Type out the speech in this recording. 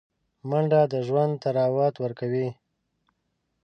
منډه د ژوند طراوت ورکوي